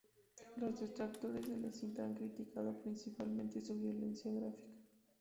Los detractores de la cinta han criticado principalmente su violencia gráfica.